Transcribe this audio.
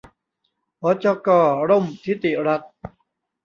หจก.ร่มธิติรัตน์